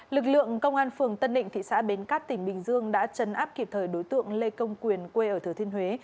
lực lượng công an phường tân định thị xã bến cát tỉnh bình dương đã chấn áp kịp thời đối tượng lê công quyền quê ở thừa thiên huế